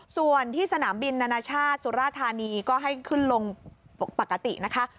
ส่วนที่สนามบินนานาชาติสุราธานีก็ให้ขึ้นลงปกตินะคะ